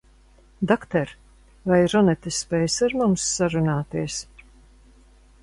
Dakter, vai Ronete spēs ar mums sarunāties?